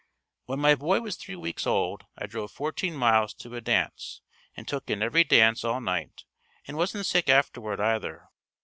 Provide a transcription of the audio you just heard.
When my boy was three weeks old, I drove fourteen miles to a dance and took in every dance all night and wasn't sick afterward either.